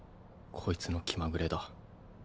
こいつの気まぐれだ。